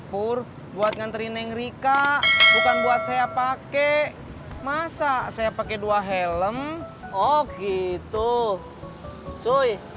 pur buat nganterineng rika bukan buat saya pakai masa saya pakai dua helm oh gitu cuy